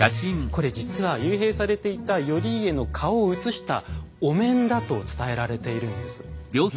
これ実は幽閉されていた頼家の顔をうつしたお面だと伝えられているんです。